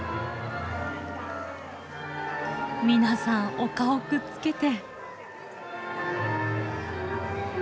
皆さんお顔くっつけて。